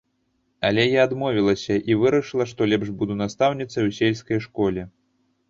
Але я адмовілася і вырашыла, што лепш буду настаўніцай у сельскай школе.